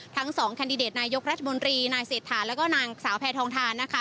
ทั้งสองแคนดิเดตนายกรัฐมนตรีนายเศรษฐาแล้วก็นางสาวแพทองทานนะคะ